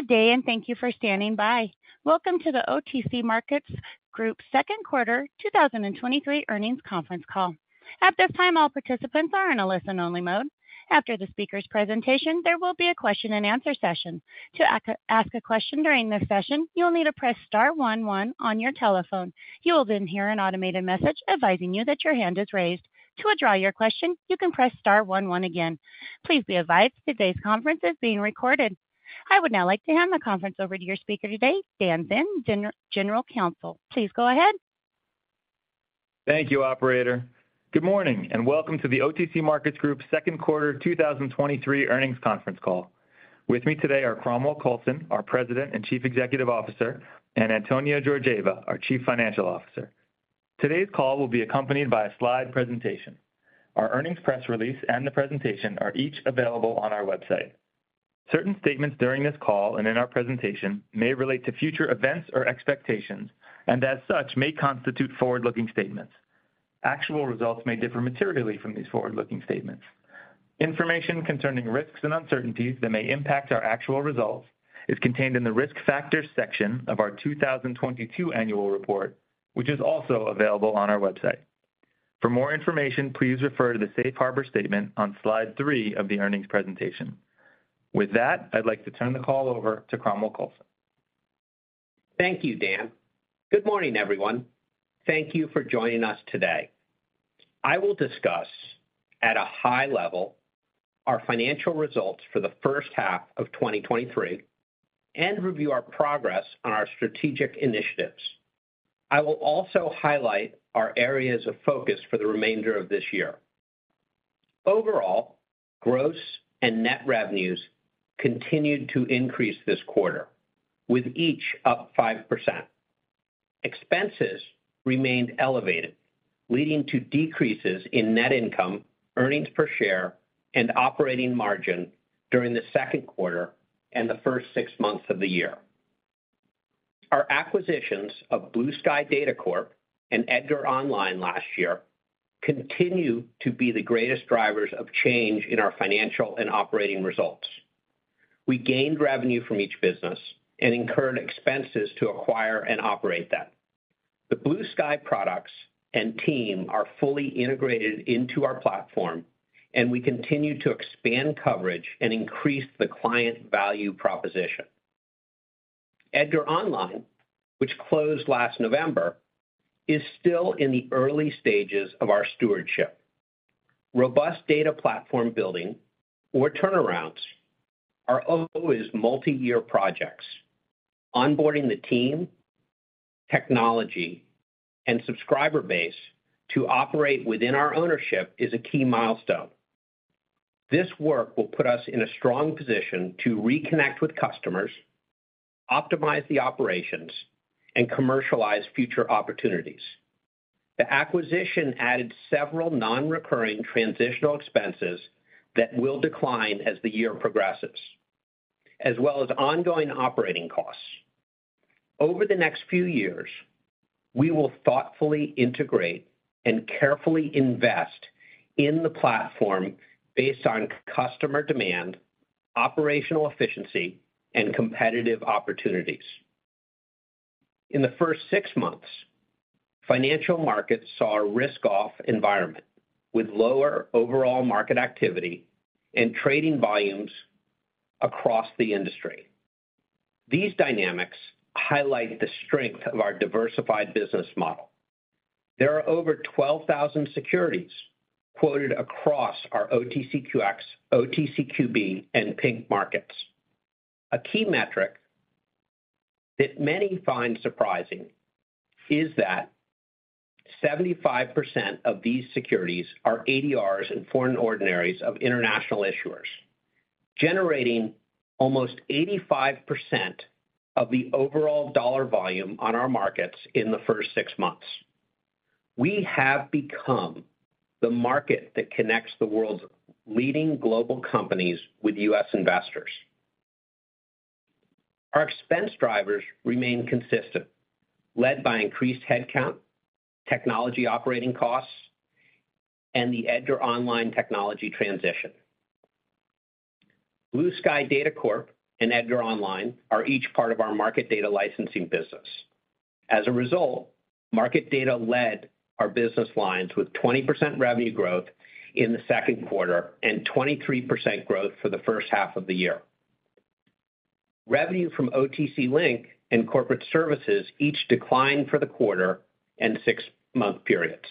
Good day, and thank you for standing by. Welcome to the OTC Markets Group second quarter 2023 earnings conference call. At this time, all participants are in a listen-only mode. After the speaker's presentation, there will be a question-and-answer session. To ask a question during this session, you'll need to press star 11 on your telephone. You will then hear an automated message advising you that your hand is raised. To withdraw your question, you can press star 11 again. Please be advised, today's conference is being recorded. I would now like to hand the conference over to your speaker today, Dan Zinn, General Counsel. Please go ahead. Thank you, operator. Good morning, and welcome to the OTC Markets Group second quarter 2023 earnings conference call. With me today are Cromwell Coulson, our President and Chief Executive Officer, and Antonia Georgieva, our Chief Financial Officer. Today's call will be accompanied by a slide presentation. Our earnings press release and the presentation are each available on our website. Certain statements during this call and in our presentation may relate to future events or expectations, and as such, may constitute forward-looking statements. Actual results may differ materially from these forward-looking statements. Information concerning risks and uncertainties that may impact our actual results is contained in the Risk Factors section of our 2022 annual report, which is also available on our website. For more information, please refer to the safe harbor statement on slide 3 of the earnings presentation. With that, I'd like to turn the call over to Cromwell Coulson. Thank you, Dan. Good morning, everyone. Thank you for joining us today. I will discuss at a high level our financial results for the first half of 2023 and review our progress on our strategic initiatives. I will also highlight our areas of focus for the remainder of this year. Overall, gross and net revenues continued to increase this quarter, with each up 5%. Expenses remained elevated, leading to decreases in net income, earnings per share, and operating margin during the second quarter and the first six months of the year. Our acquisitions of Blue Sky Data Corp and EDGAR Online last year continue to be the greatest drivers of change in our financial and operating results. We gained revenue from each business and incurred expenses to acquire and operate them. The Blue Sky products and team are fully integrated into our platform, and we continue to expand coverage and increase the client value proposition. EDGAR Online, which closed last November, is still in the early stages of our stewardship. Robust data platform building or turnarounds are always multiyear projects. Onboarding the team, technology, and subscriber base to operate within our ownership is a key milestone. This work will put us in a strong position to reconnect with customers, optimize the operations, and commercialize future opportunities. The acquisition added several non-recurring transitional expenses that will decline as the year progresses, as well as ongoing operating costs. Over the next few years, we will thoughtfully integrate and carefully invest in the platform based on customer demand, operational efficiency, and competitive opportunities. In the first 6 months, financial markets saw a risk-off environment, with lower overall market activity and trading volumes across the industry. These dynamics highlight the strength of our diversified business model. There are over 12,000 securities quoted across our OTCQX, OTCQB, and Pink markets. A key metric that many find surprising is that 75% of these securities are ADRs and foreign ordinaries of international issuers, generating almost 85% of the overall dollar volume on our markets in the first 6 months. We have become the market that connects the world's leading global companies with U.S. investors. Our expense drivers remain consistent, led by increased headcount, technology operating costs, and the EDGAR Online technology transition. Blue Sky Data Corp and EDGAR Online are each part of our Market Data Licensing business. As a result, Market Data led our business lines with 20% revenue growth in the second quarter and 23% growth for the first half of the year. Revenue from OTC Link and Corporate Services each declined for the quarter and six-month periods.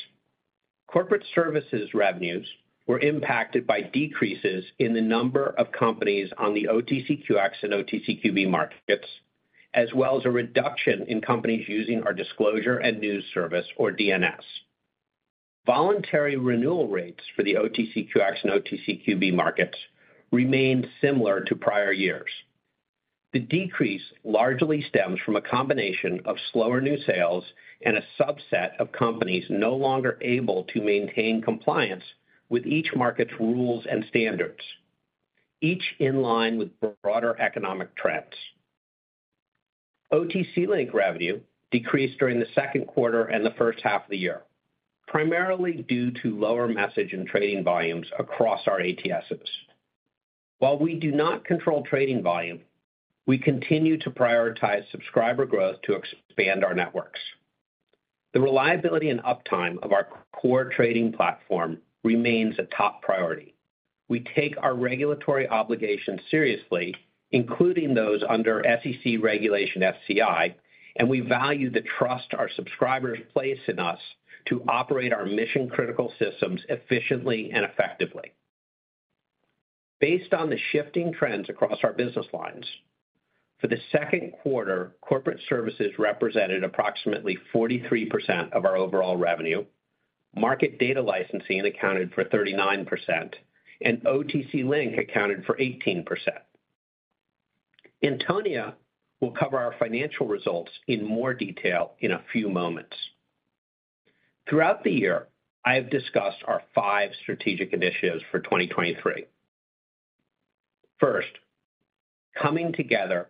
Corporate Services revenues were impacted by decreases in the number of companies on the OTCQX and OTCQB markets, as well as a reduction in companies using our Disclosure and News Service or DNS. Voluntary renewal rates for the OTCQX and OTCQB markets remained similar to prior years. The decrease largely stems from a combination of slower new sales and a subset of companies no longer able to maintain compliance with each market's rules and standards, each in line with broader economic trends. OTC Link revenue decreased during the second quarter and the first half of the year, primarily due to lower message and trading volumes across our ATSs. While we do not control trading volume, we continue to prioritize subscriber growth to expand our networks. The reliability and uptime of our core trading platform remains a top priority. We take our regulatory obligations seriously, including those under SEC Regulation SCI, and we value the trust our subscribers place in us to operate our mission-critical systems efficiently and effectively. Based on the shifting trends across our business lines, for the second quarter, Corporate Services represented approximately 43% of our overall revenue, Market Data Licensing accounted for 39%, and OTC Link accounted for 18%. Antonia will cover our financial results in more detail in a few moments. Throughout the year, I have discussed our five strategic initiatives for 2023. First, coming together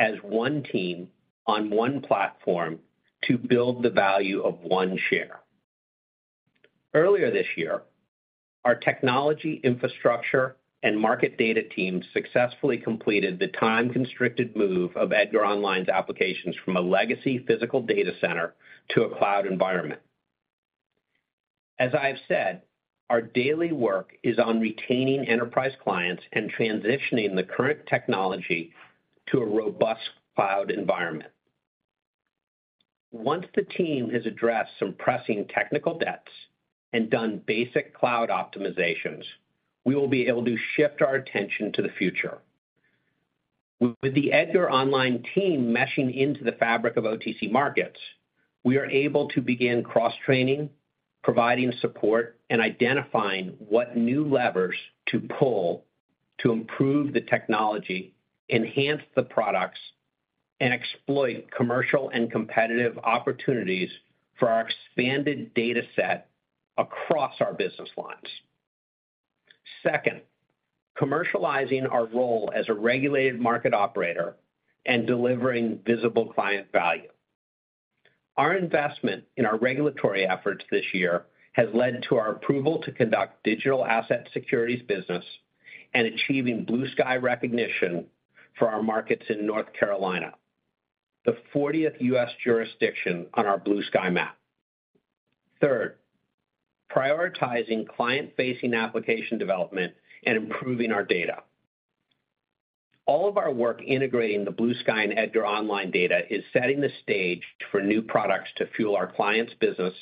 as 1 team on 1 platform to build the value of 1 share. Earlier this year, our technology, infrastructure, and market data teams successfully completed the time-constricted move of EDGAR Online's applications from a legacy physical data center to a cloud environment. As I have said, our daily work is on retaining enterprise clients and transitioning the current technology to a robust cloud environment. Once the team has addressed some pressing technical debts and done basic cloud optimizations, we will be able to shift our attention to the future. With the EDGAR Online team meshing into the fabric of OTC Markets, we are able to begin cross-training, providing support, and identifying what new levers to pull to improve the technology, enhance the products, and exploit commercial and competitive opportunities for our expanded data set across our business lines. Second, commercializing our role as a regulated market operator and delivering visible client value. Our investment in our regulatory efforts this year has led to our approval to conduct digital asset securities business and achieving Blue Sky recognition for our markets in North Carolina, the 40th U.S. jurisdiction on our Blue Sky map. Third, prioritizing client-facing application development and improving our data. All of our work integrating the Blue Sky and EDGAR Online data is setting the stage for new products to fuel our clients' businesses,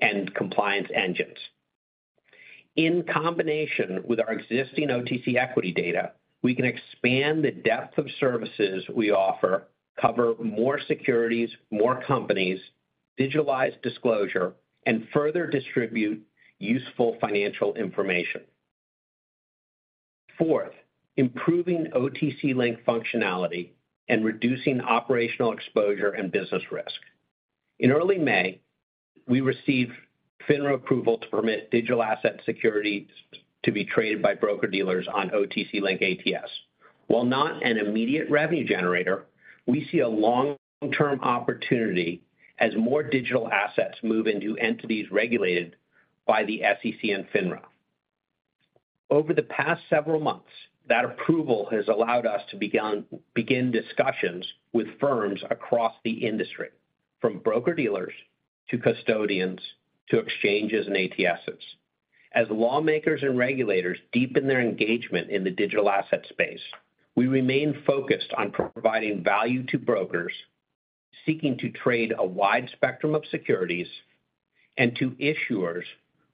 and compliance engines. In combination with our existing OTC equity data, we can expand the depth of services we offer, cover more securities, more companies, digitalize disclosure, and further distribute useful financial information. Fourth, improving OTC Link functionality and reducing operational exposure and business risk. In early May, we received FINRA approval to permit digital asset securities to be traded by broker-dealers on OTC Link ATS. While not an immediate revenue generator, we see a long-term opportunity as more digital assets move into entities regulated by the SEC and FINRA. Over the past several months, that approval has allowed us to begin discussions with firms across the industry, from broker-dealers to custodians, to exchanges and ATSs. As lawmakers and regulators deepen their engagement in the digital asset space, we remain focused on providing value to brokers seeking to trade a wide spectrum of securities and to issuers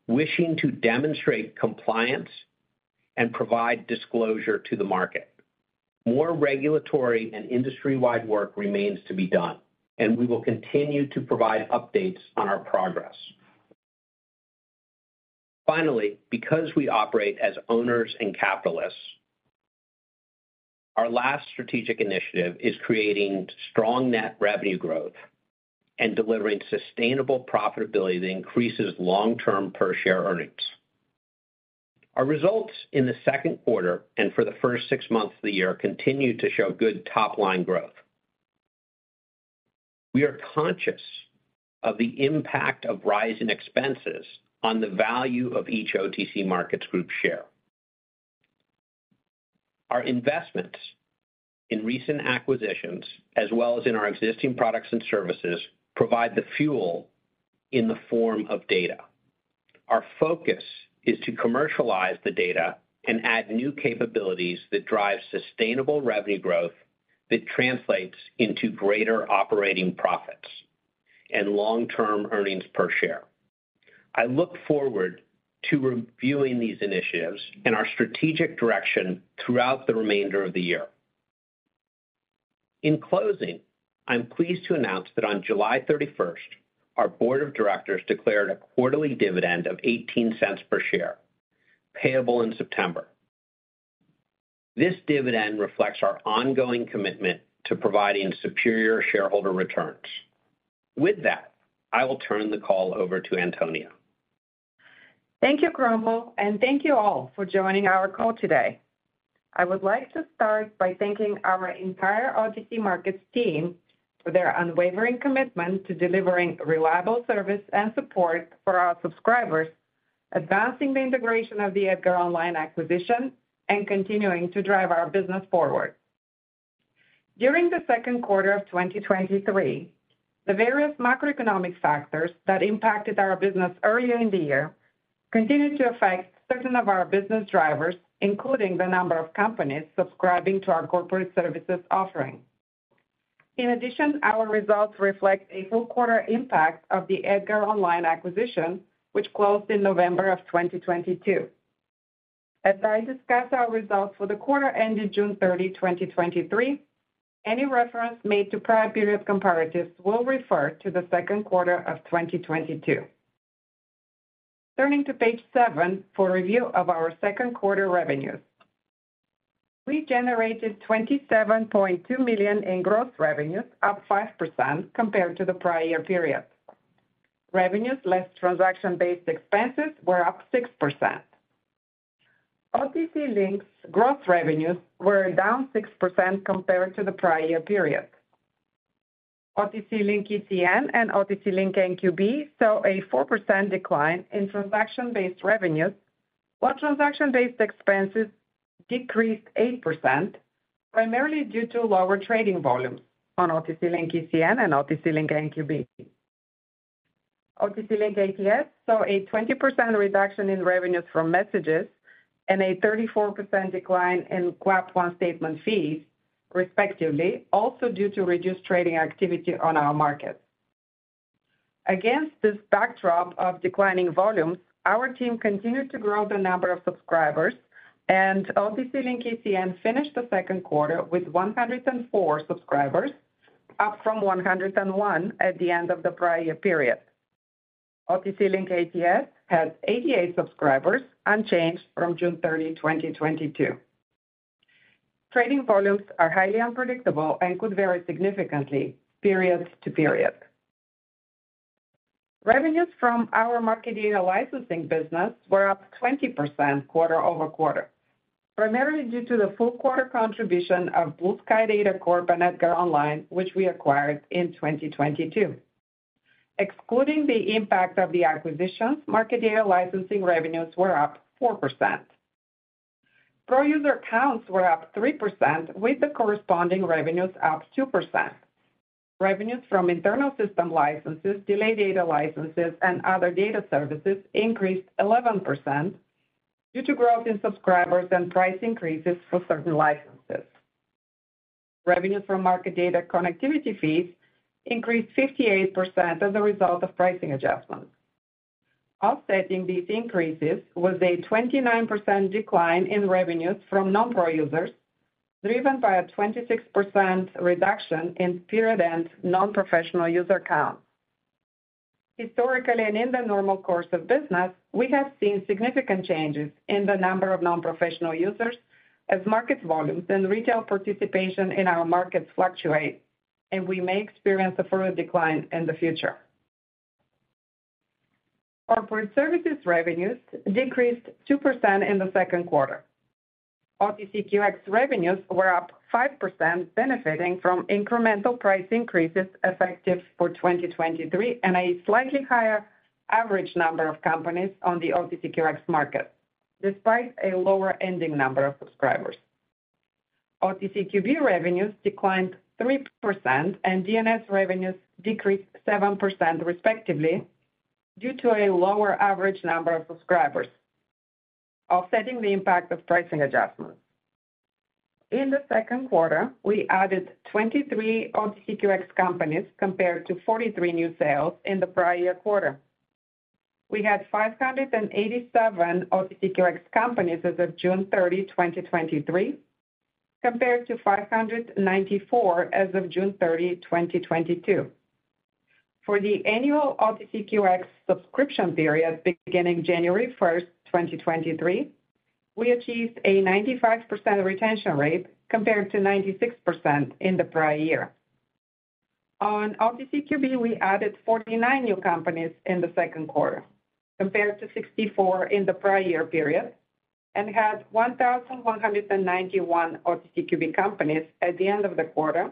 wishing to demonstrate compliance and provide disclosure to the market. More regulatory and industry-wide work remains to be done, and we will continue to provide updates on our progress. Finally, because we operate as owners and capitalists, our last strategic initiative is creating strong net revenue growth and delivering sustainable profitability that increases long-term per share earnings. Our results in the second quarter and for the first six months of the year, continue to show good top-line growth. We are conscious of the impact of rising expenses on the value of each OTC Markets Group share. Our investments in recent acquisitions, as well as in our existing products and services, provide the fuel in the form of data. Our focus is to commercialize the data and add new capabilities that drive sustainable revenue growth, that translates into greater operating profits and long-term earnings per share. I look forward to reviewing these initiatives and our strategic direction throughout the remainder of the year. In closing, I'm pleased to announce that on July 31st, our board of directors declared a quarterly dividend of $0.18 per share, payable in September. This dividend reflects our ongoing commitment to providing superior shareholder returns. With that, I will turn the call over to Antonia. Thank you, Cromwell, thank you all for joining our call today. I would like to start by thanking our entire OTC Markets team for their unwavering commitment to delivering reliable service and support for our subscribers, advancing the integration of the EDGAR Online acquisition, and continuing to drive our business forward. During the second quarter of 2023, the various macroeconomic factors that impacted our business earlier in the year continued to affect certain of our business drivers, including the number of companies subscribing to our Corporate Services offering. In addition, our results reflect a full quarter impact of the EDGAR Online acquisition, which closed in November of 2022. As I discuss our results for the quarter ended June 30, 2023, any reference made to prior period comparatives will refer to the second quarter of 2022. Turning to page seven for review of our second quarter revenues. We generated $27.2 million in gross revenues, up 5% compared to the prior year period. Revenues, less transaction-based expenses, were up 6%. OTC Link's gross revenues were down 6% compared to the prior year period. OTC Link ECN and OTC Link NQB saw a 4% decline in transaction-based revenues, while transaction-based expenses decreased 8%, primarily due to lower trading volumes on OTC Link ECN and OTC Link NQB. OTC Link ATS saw a 20% reduction in revenues from messages and a 34% decline in Quote 1 statement fees, respectively, also due to reduced trading activity on our markets. Against this backdrop of declining volumes, our team continued to grow the number of subscribers, and OTC Link ECN finished the second quarter with 104 subscribers, up from 101 at the end of the prior period. OTC Link ATS had 88 subscribers, unchanged from June 30, 2022. Trading volumes are highly unpredictable and could vary significantly period to period. Revenues from our Market Data Licensing business were up 20% quarter-over-quarter, primarily due to the full quarter contribution of Blue Sky Data Corp and EDGAR Online, which we acquired in 2022. Excluding the impact of the acquisitions, Market Data Licensing revenues were up 4%. Pro user counts were up 3%, with the corresponding revenues up 2%. Revenues from internal system licenses, delay data licenses, and other data services increased 11% due to growth in subscribers and price increases for certain licenses. Revenues from market data connectivity fees increased 58% as a result of pricing adjustments. Offsetting these increases was a 29% decline in revenues from non-pro users, driven by a 26% reduction in period-end non-professional user counts. Historically, and in the normal course of business, we have seen significant changes in the number of non-professional users as market volumes and retail participation in our markets fluctuate, and we may experience a further decline in the future. Corporate Services revenues decreased 2% in the second quarter. OTCQX revenues were up 5%, benefiting from incremental price increases effective for 2023, and a slightly higher average number of companies on the OTCQX market, despite a lower ending number of subscribers. OTCQB revenues declined 3%, and DNS revenues decreased 7%, respectively, due to a lower average number of subscribers, offsetting the impact of pricing adjustments. In the second quarter, we added 23 OTCQX companies, compared to 43 new sales in the prior year quarter. We had 587 OTCQX companies as of June 30, 2023, compared to 594 as of June 30, 2022. For the annual OTCQX subscription period beginning January 1, 2023, we achieved a 95% retention rate, compared to 96% in the prior year. On OTCQB, we added 49 new companies in the second quarter, compared to 64 in the prior year period, and had 1,191 OTCQB companies at the end of the quarter,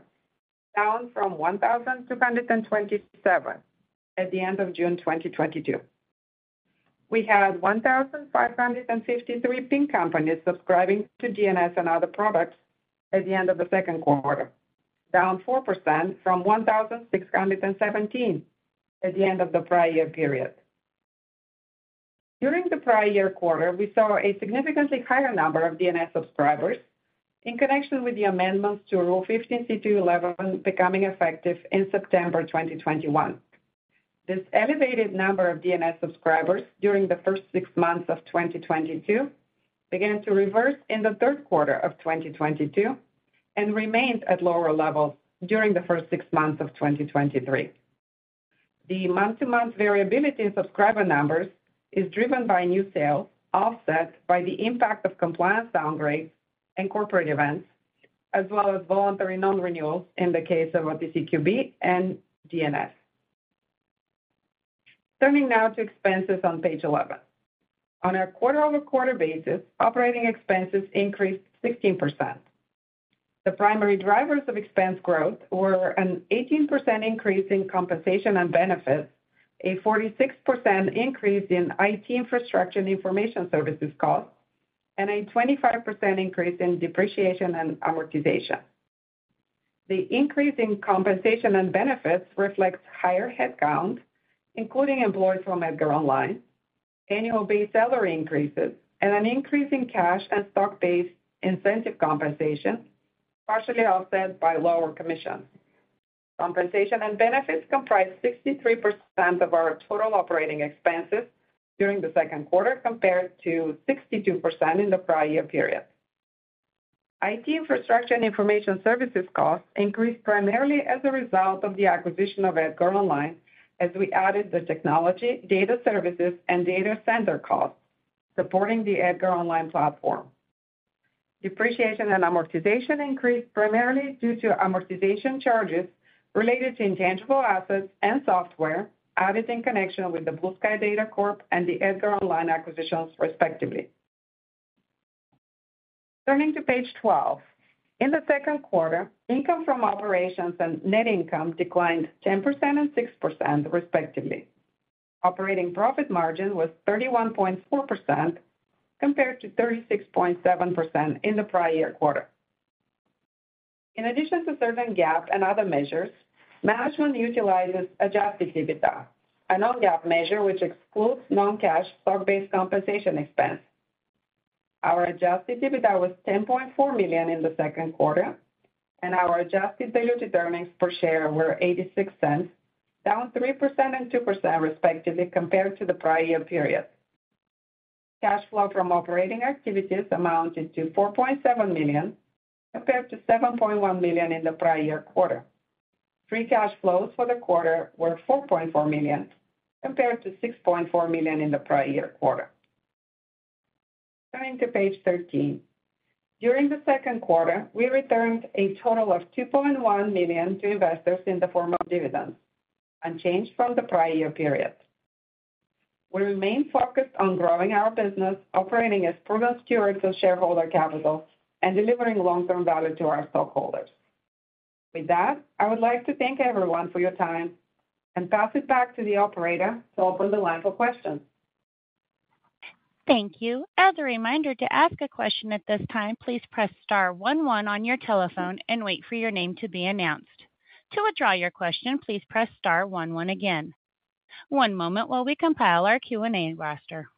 down from 1,227 at the end of June 2022. We had 1,553 Pink companies subscribing to DNS and other products at the end of the second quarter, down 4% from 1,617 at the end of the prior year period. During the prior year quarter, we saw a significantly higher number of DNS subscribers in connection with the amendments to Rule 15c2-11 becoming effective in September 2021. This elevated number of DNS subscribers during the first six months of 2022 began to reverse in the third quarter of 2022 and remained at lower levels during the first six months of 2023. The month-to-month variability in subscriber numbers is driven by new sales, offset by the impact of compliance downgrades and corporate events, as well as voluntary non-renewal in the case of OTCQB and DNS. Turning now to expenses on page 11. On a quarter-over-quarter basis, operating expenses increased 16%. The primary drivers of expense growth were an 18% increase in compensation and benefits, a 46% increase in IT infrastructure and information services costs, and a 25% increase in depreciation and amortization. The increase in compensation and benefits reflects higher headcount, including employees from EDGAR Online, annual base salary increases, and an increase in cash and stock-based incentive compensation, partially offset by lower commissions. Compensation and benefits comprised 63% of our total operating expenses during the second quarter, compared to 62% in the prior year period. IT infrastructure and information services costs increased primarily as a result of the acquisition of EDGAR Online, as we added the technology, data services, and data center costs supporting the EDGAR Online platform. Depreciation and amortization increased primarily due to amortization charges related to intangible assets and software added in connection with the Blue Sky Data Corp and the EDGAR Online acquisitions, respectively. Turning to page 12. In the second quarter, income from operations and net income declined 10% and 6%, respectively. Operating profit margin was 31.4%, compared to 36.7% in the prior year quarter. In addition to certain GAAP and other measures, management utilizes adjusted EBITDA, a non-GAAP measure, which excludes non-cash stock-based compensation expense. Our adjusted EBITDA was $10.4 million in the second quarter, and our adjusted diluted earnings per share were $0.86, down 3% and 2%, respectively, compared to the prior year period. Cash flow from operating activities amounted to $4.7 million, compared to $7.1 million in the prior year quarter. Free cash flows for the quarter were $4.4 million, compared to $6.4 million in the prior-year quarter. Turning to page 13. During the second quarter, we returned a total of $2.1 million to investors in the form of dividends, unchanged from the prior-year period. We remain focused on growing our business, operating as proven stewards of shareholder capital, and delivering long-term value to our stockholders. With that, I would like to thank everyone for your time and pass it back to the operator to open the line for questions. Thank you. As a reminder, to ask a question at this time, please press star one one on your telephone and wait for your name to be announced. To withdraw your question, please press star one one again. One moment while we compile our Q&A roster.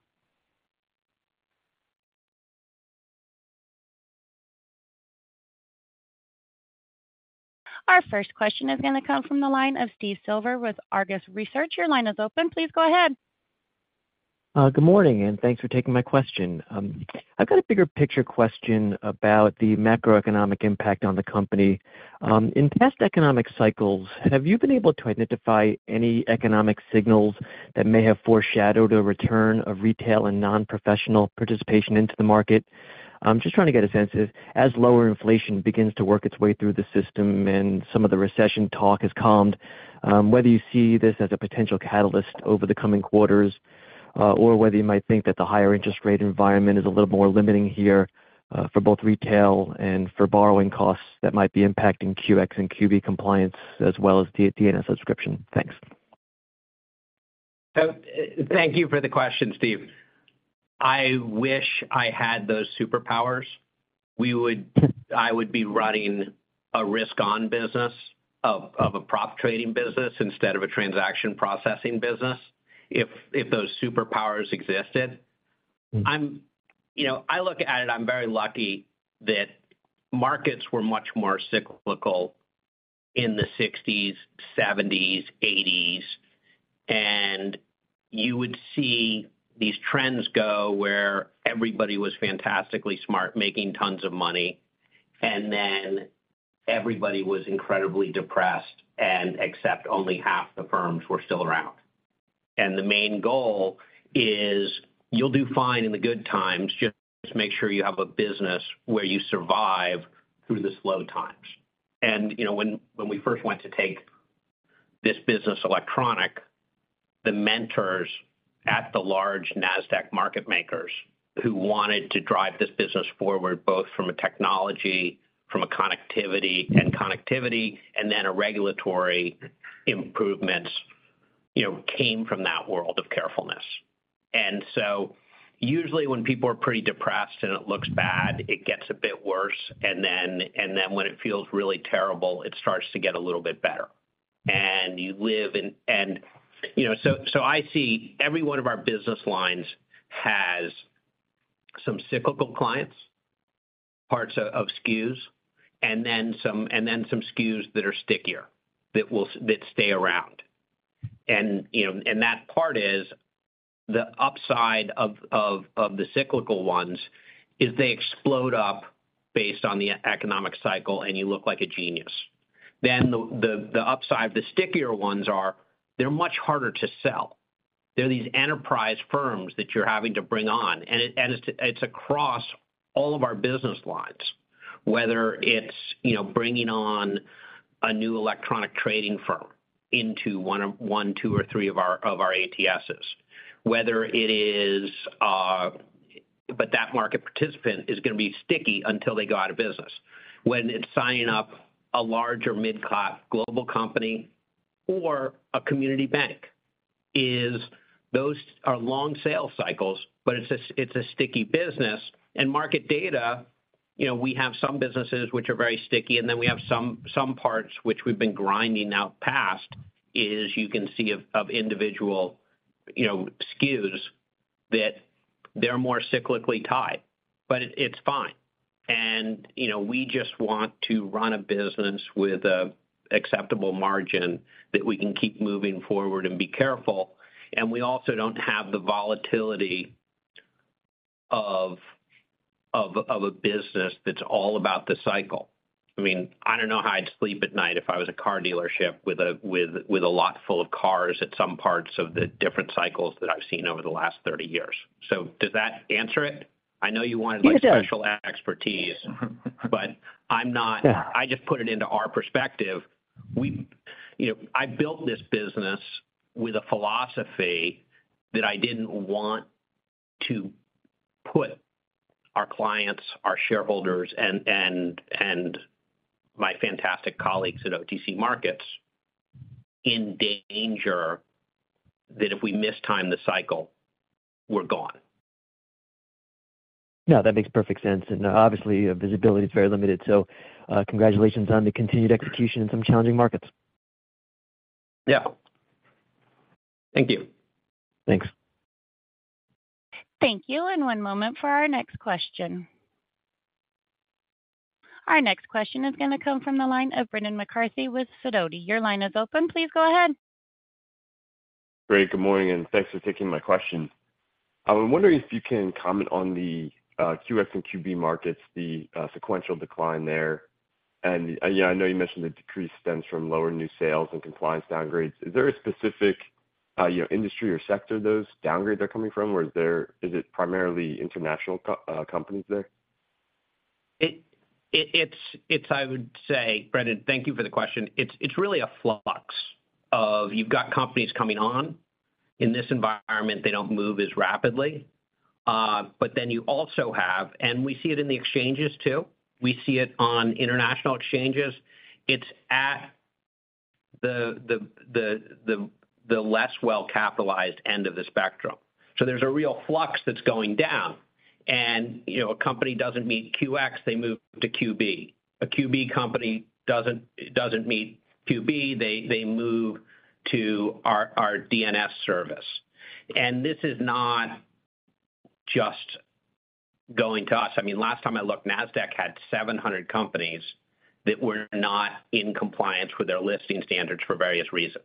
Our first question is going to come from the line of Steve Silver with Argus Research. Your line is open. Please go ahead. Good morning, thanks for taking my question. I've got a bigger picture question about the macroeconomic impact on the company. In past economic cycles, have you been able to identify any economic signals that may have foreshadowed a return of retail and non-professional participation into the market? I'm just trying to get a sense of, as lower inflation begins to work its way through the system and some of the recession talk has calmed, whether you see this as a potential catalyst over the coming quarters, or whether you might think that the higher interest rate environment is a little more limiting here, for both retail and for borrowing costs that might be impacting OTCQX and OTCQB compliance as well as the DNS subscription. Thanks. Thank you for the question, Steve. I wish I had those superpowers. I would be running a risk-on business of a prop trading business instead of a transaction processing business if those superpowers existed. You know, I look at it, I'm very lucky that markets were much more cyclical in the sixties, seventies, eighties, and you would see these trends go where everybody was fantastically smart, making tons of money, and then everybody was incredibly depressed and except only half the firms were still around. The main goal is you'll do fine in the good times, just make sure you have a business where you survive through the slow times. You know, when, when we first went to take this business electronic, the mentors at the large Nasdaq market makers who wanted to drive this business forward, both from a technology, from a connectivity, and then a regulatory improvements, you know, came from that world of carefulness. So usually when people are pretty depressed and it looks bad, it gets a bit worse, and then, and then when it feels really terrible, it starts to get a little bit better. You know, so, so I see every one of our business lines has some cyclical clients, parts of, of SKUs, and then some, and then some SKUs that are stickier, that stay around. You know, and that part is the upside of, of, of the cyclical ones, is they explode up based on the economic cycle, and you look like a genius. The, the, the upside, the stickier ones are, they're much harder to sell. They're these enterprise firms that you're having to bring on, it's, it's across all of our business lines, whether it's, you know, bringing on a new electronic trading firm into one of, one, two, or three of our, of our ATSs. Whether it is, That market participant is gonna be sticky until they go out of business. When it's signing up a large or mid-class global company or a community bank, is those are long sales cycles, it's a, it's a sticky business. Market data, you know, we have some businesses which are very sticky, and then we have some, some parts which we've been grinding out past, is, you can see of, of individual, you know, SKUs, that they're more cyclically tied. It, it's fine. You know, we just want to run a business with a acceptable margin that we can keep moving forward and be careful. We also don't have the volatility of a business that's all about the cycle. I mean, I don't know how I'd sleep at night if I was a car dealership with a lot full of cars at some parts of the different cycles that I've seen over the last 30 years. Does that answer it? I know you wanted- It does. like, special expertise, but I'm not- Yeah. I just put it into our perspective. You know, I built this business with a philosophy that I didn't want to put our clients, our shareholders, and, and, and my fantastic colleagues at OTC Markets in danger, that if we mistime the cycle, we're gone. No, that makes perfect sense. Obviously, visibility is very limited, so, congratulations on the continued execution in some challenging markets. Yeah. Thank you. Thanks. Thank you, and one moment for our next question. Our next question is gonna come from the line of Brendan McCarthy with Sidoti. Your line is open. Please go ahead. Great, good morning, thanks for taking my question. I was wondering if you can comment on the OTCQX and OTCQB markets, the sequential decline there. Yeah, I know you mentioned the decrease stems from lower new sales and compliance downgrades. Is there a specific, you know, industry or sector those downgrades are coming from? Is it primarily international companies there? It's I would say, Brendan, thank you for the question. It's really a flux of... You've got companies coming on. In this environment, they don't move as rapidly. Then you also have, we see it in the exchanges, too. We see it on international exchanges. It's at the less well-capitalized end of the spectrum. There's a real flux that's going down and, you know, a company doesn't meet QX, they move to QB. A QB company doesn't meet QB, they move to our DNS service. This is not just going to us. I mean, last time I looked, Nasdaq had 700 companies that were not in compliance with their listing standards for various reasons.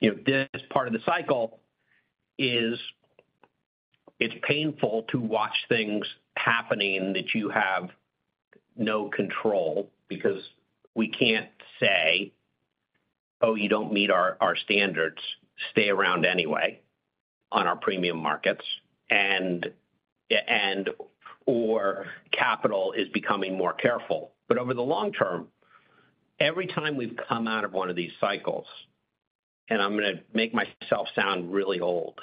You know, this part of the cycle is, it's painful to watch things happening that you have no control. We can't say, "Oh, you don't meet our, our standards. Stay around anyway," on our premium markets, and, yeah, and, or capital is becoming more careful. Over the long term, every time we've come out of one of these cycles, and I'm gonna make myself sound really old,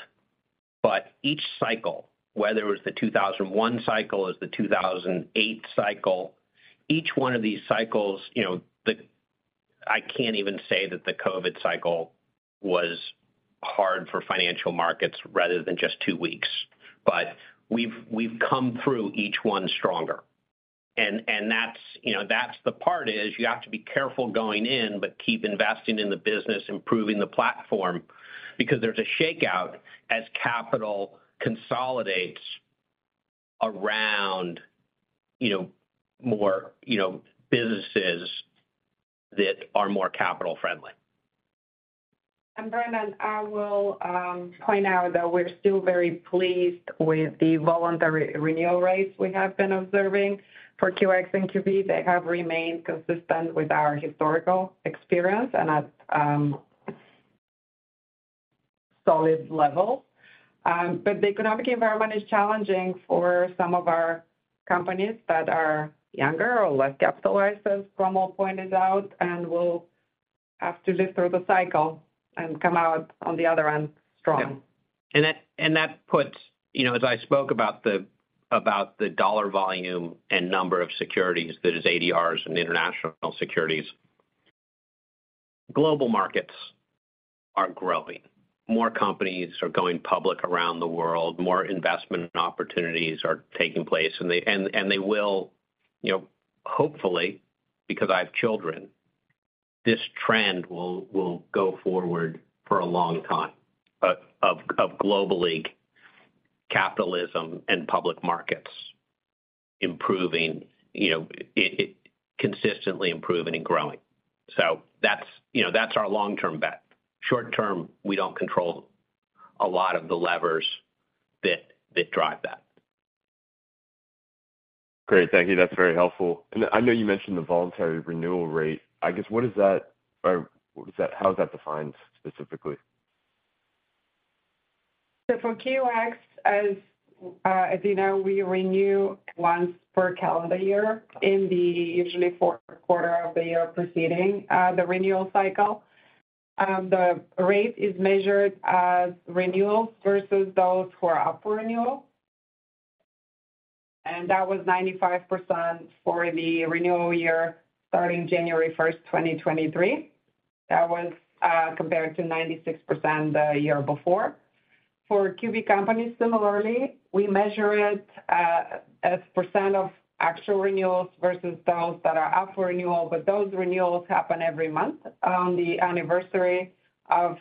but each cycle, whether it was the 2001 cycle, or it was the 2008 cycle, each one of these cycles, you know, the... I can't even say that the COVID cycle was hard for financial markets, rather than just two weeks. We've, we've come through each one stronger. That's, you know, that's the part, is you have to be careful going in, but keep investing in the business, improving the platform, because there's a shakeout as capital consolidates around, you know, more, you know, businesses that are more capital-friendly. Brendan, I will point out that we're still very pleased with the voluntary renewal rates we have been observing for QX and QB. They have remained consistent with our historical experience and at solid level. The economic environment is challenging for some of our companies that are younger or less capitalized, as Cromwell pointed out, and will have to live through the cycle and come out on the other end strong. Yeah. That, and that puts... You know, as I spoke about the, about the dollar volume and number of securities, that is ADRs and international securities, global markets are growing. More companies are going public around the world, more investment opportunities are taking place, and they, and, and they will, you know, hopefully, because I have children, this trend will, will go forward for a long time, of, of globally capitalism and public markets improving, you know, it, it- consistently improving and growing. That's, you know, that's our long-term bet. Short term, we don't control a lot of the levers that, that drive that. Great. Thank you. That's very helpful. I know you mentioned the voluntary renewal rate. I guess, what is that, or what is that-- how is that defined specifically? For QX, as you know, we renew once per calendar year in the usually fourth quarter of the year preceding the renewal cycle. The rate is measured as renewals versus those who are up for renewal, and that was 95% for the renewal year starting January 1st, 2023. That was compared to 96% the year before. For QB companies, similarly, we measure it as percentage of actual renewals versus those that are up for renewal, but those renewals happen every month on the anniversary of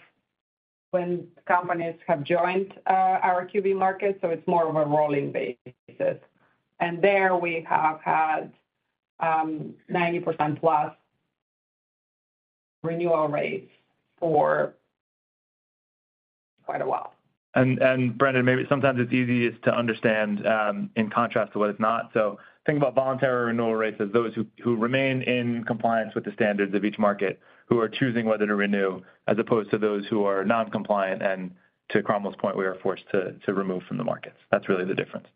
when companies have joined our QB market, so it's more of a rolling basis. There we have had 90% plus renewal rates for quite a while. Brendan, maybe sometimes it's easiest to understand, in contrast to what it's not. Think about voluntary renewal rates as those who, who remain in compliance with the standards of each market, who are choosing whether to renew, as opposed to those who are non-compliant, and to Cromwell's point, we are forced to, to remove from the markets. That's really the difference.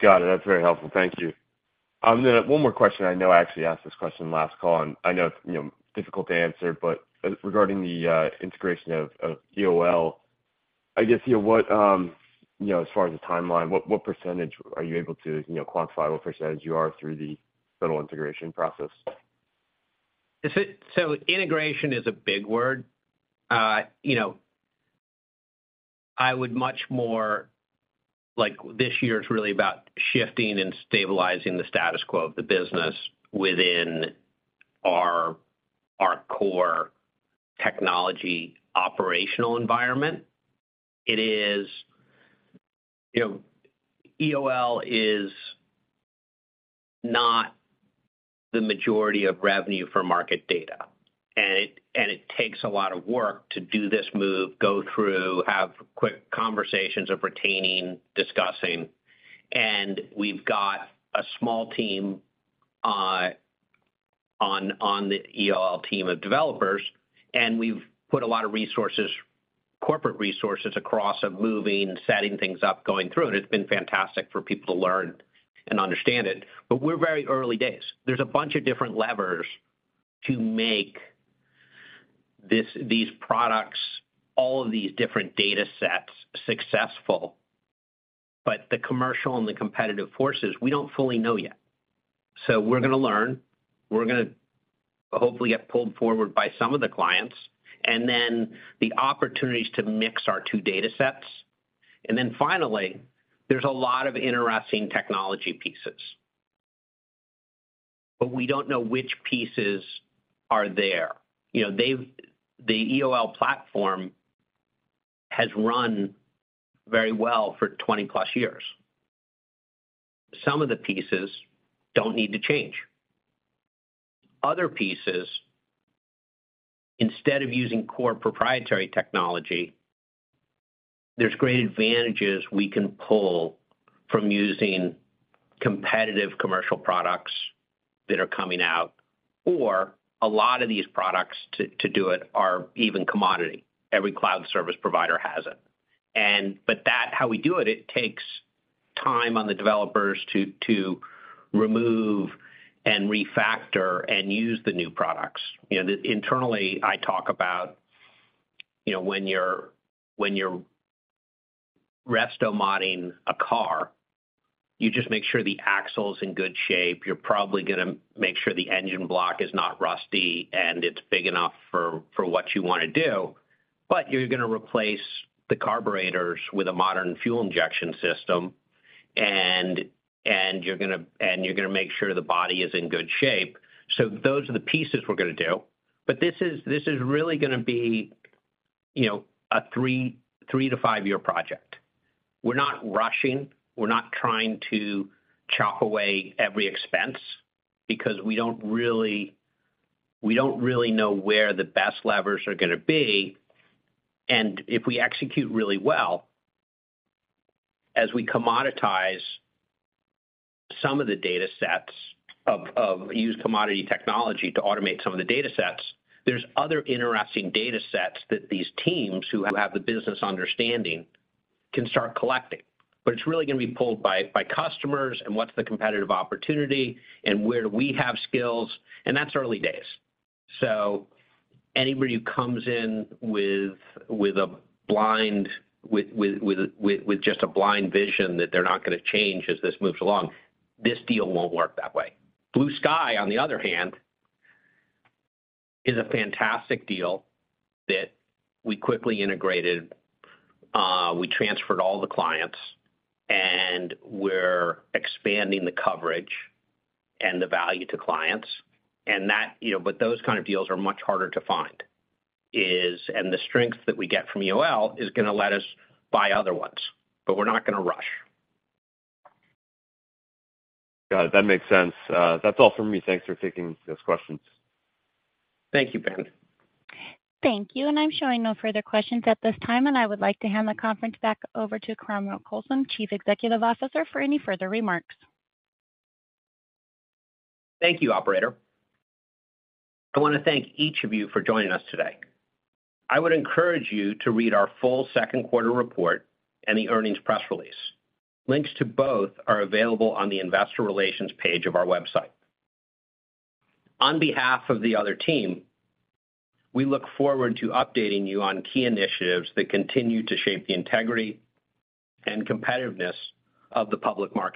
Got it. That's very helpful. Thank you. One more question. I know I actually asked this question last call, and I know it's, you know, difficult to answer, but regarding the integration of EOL, I guess, you know, what, you know, as far as the timeline, what, what percentage are you able to, you know, quantify what percentage you are through the federal integration process? Integration is a big word. You know, I would much more like, this year is really about shifting and stabilizing the status quo of the business within our, our core technology operational environment. It is, you know, EOL is not the majority of revenue for market data, and it, and it takes a lot of work to do this move, go through, have quick conversations of retaining, discussing. We've got a small team on the EOL team of developers, and we've put a lot of resources, corporate resources, across of moving, setting things up, going through, and it's been fantastic for people to learn and understand it, but we're very early days. There's a bunch of different levers to make this, these products, all of these different datasets successful, but the commercial and the competitive forces, we don't fully know yet. We're gonna learn. We're gonna hopefully get pulled forward by some of the clients, and then the opportunities to mix our two datasets. Finally, there's a lot of interesting technology pieces, but we don't know which pieces are there. You know, the EOL platform has run very well for 20-plus years. Some of the pieces don't need to change. Other pieces, instead of using core proprietary technology, there's great advantages we can pull from using competitive commercial products that are coming out, or a lot of these products to do it are even commodity. Every cloud service provider has it. That, how we do it, it takes time on the developers to remove and refactor and use the new products. You know, internally, I talk about, you know, when you're, when you're resto-modding a car, you just make sure the axle's in good shape. You're probably gonna make sure the engine block is not rusty, and it's big enough for, for what you want to do, but you're gonna replace the carburetors with a modern fuel injection system, and, and you're gonna, and you're gonna make sure the body is in good shape. Those are the pieces we're gonna do. This is, this is really gonna be, you know, a 3-5-year project. We're not rushing. We're not trying to chop away every expense because we don't really, we don't really know where the best levers are gonna be. If we execute really well, as we commoditize some of the datasets of use commodity technology to automate some of the datasets, there's other interesting datasets that these teams who have the business understanding can start collecting. It's really going to be pulled by customers, and what's the competitive opportunity, and where do we have skills, and that's early days. Anybody who comes in with just a blind vision that they're not going to change as this moves along, this deal won't work that way. Blue Sky, on the other hand, is a fantastic deal that we quickly integrated. We transferred all the clients, and we're expanding the coverage and the value to clients. That, you know. Those kind of deals are much harder to find. The strength that we get from EOL is gonna let us buy other ones, but we're not gonna rush. Got it. That makes sense. That's all for me. Thanks for taking those questions. Thank you, Brendan. Thank you. I'm showing no further questions at this time, and I would like to hand the conference back over to Cromwell Coulson, Chief Executive Officer, for any further remarks. Thank you, operator. I want to thank each of you for joining us today. I would encourage you to read our full second quarter report and the earnings press release. Links to both are available on the investor relations page of our website. On behalf of the OTC team, we look forward to updating you on key initiatives that continue to shape the integrity and competitiveness of the public markets.